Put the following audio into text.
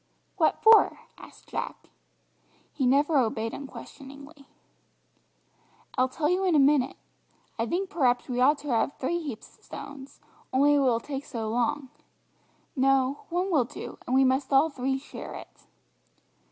"What for?" asked Jack. He never obeyed unquestioningly. "I'll tell you in a minute. I think perhaps we ought to have three heaps of stones, only it will take so long. No, one will do, and we must all three share it."